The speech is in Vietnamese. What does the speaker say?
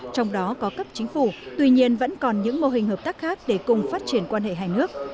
trong đó có cấp chính phủ tuy nhiên vẫn còn những mô hình hợp tác khác để cùng phát triển quan hệ hai nước